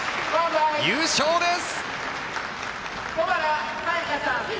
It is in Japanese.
優勝です。